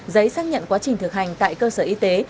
giấy xác nhận quá trình thực hành tại cơ sở y tế